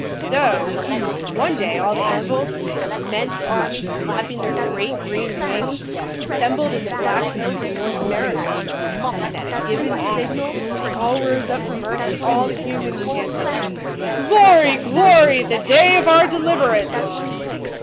So, one day, all the An vils, an immense army, flapping their great green wings, assembled in the Black Hills of North America, and, at a given signal, they all rose up from Earth and all the humans chanted, 'Glory, glory, the day of our deliverance!'"